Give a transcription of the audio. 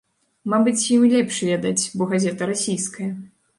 Мабыць, ім лепш ведаць, бо газета расійская.